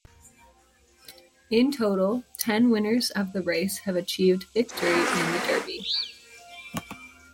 In total, ten winners of the race have achieved victory in the Derby.